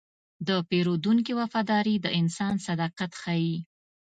د پیرودونکي وفاداري د انسان صداقت ښيي.